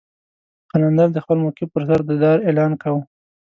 قلندر د خپل موقف پر سر د دار اعلان کاوه.